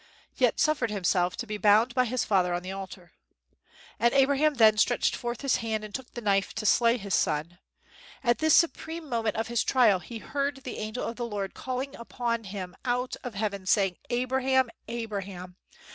yet suffered himself to be bound by his father on the altar. And Abraham then stretched forth his hand and took the knife to slay his son. At this supreme moment of his trial, he heard the angel of the Lord calling upon him out of heaven and saying, "Abraham! Abraham!